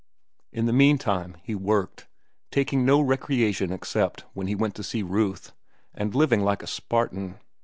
In the meantime he worked, taking no recreation except when he went to see Ruth, and living like a Spartan.